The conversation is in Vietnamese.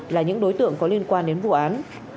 là những đối tượng có liên quan đến vụ án